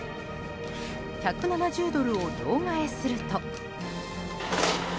１７０ドルを両替すると。